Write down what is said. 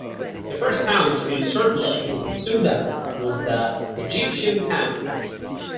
The first pound to circulate in Sudan was the Egyptian pound.